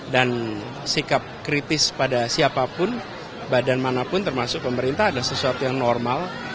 dan sikap kritis pada siapapun badan manapun termasuk pemerintah ada sesuatu yang normal